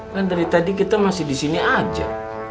kan dari tadi kita masih disini aja